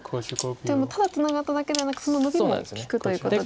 じゃあただツナがっただけではなくそのノビも利くということで。